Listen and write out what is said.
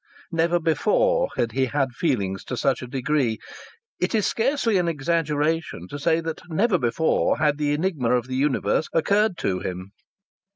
Never before had he had such feelings to such a degree. It is scarcely an exaggeration to say that never before had the enigma of the universe occurred to him.